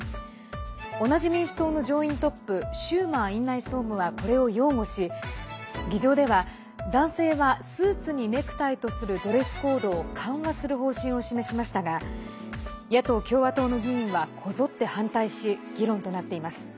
同じ民主党の上院トップシューマー院内総務はこれを擁護し議場では、男性はスーツにネクタイとするドレスコードを緩和する方針を示しましたが野党・共和党の議員はこぞって反対し議論となっています。